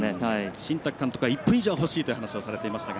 新宅監督は１分以上は欲しいという話をされていましたが。